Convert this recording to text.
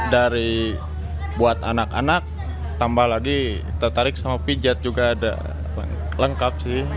dari buat anak anak tambah lagi tertarik sama pijat juga ada lengkap sih